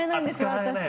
私。